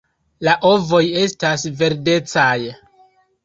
La ovoj estas verdecaj.